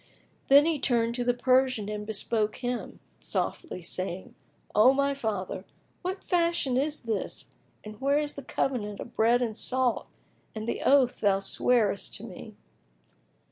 Then he turned to the Persian and bespoke him softly, saying, "O my father, what fashion is this and where is the covenant of bread and salt and the oath thou swarest to me?"